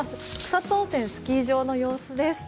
草津温泉スキー場の様子です。